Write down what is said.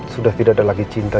sudah tidak ada lagi cinta